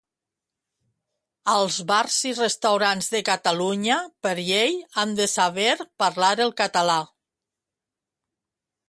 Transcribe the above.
Als bars i restaurants de Catalunya per llei han de saber parlar el català